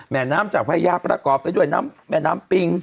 แหม่น้ำจะไหว้ยาประกอบไปด้วยแหม่น้ำปิง